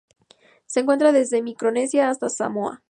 Se encuentra desde Micronesia hasta Samoa.